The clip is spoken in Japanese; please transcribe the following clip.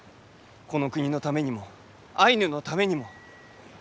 この国のためにもアイヌのためにも。